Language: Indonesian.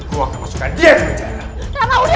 aku akan masukkan dia ke jalan